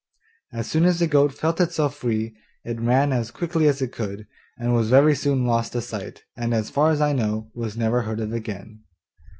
As soon as the goat felt itself free, it ran as quickly as it could, and was very soon lost to sight, and, as far as I know, was never heard of again.